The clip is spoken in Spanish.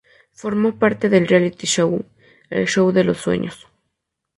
Formó parte del reality show "El Show de los sueños".